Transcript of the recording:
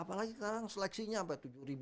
apalagi sekarang seleksinya apa